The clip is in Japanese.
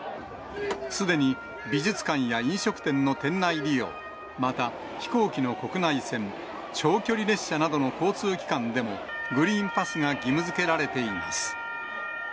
すでに美術館や飲食店の店内利用、また飛行機の国内線、長距離列車などの交通機関でも、グリーンパスが義務づけられています。